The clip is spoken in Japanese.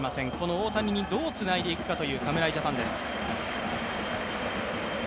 大谷にどうつないでいくかという侍ジャパンです。